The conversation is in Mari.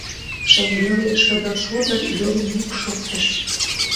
Шеҥгелне шыдыр-шодыр йол йӱк шоктыш.